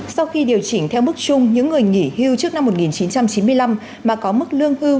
sau khi điều chỉnh theo mức chung những người nghỉ hưu trước năm một nghìn chín trăm chín mươi năm mà có mức lương hưu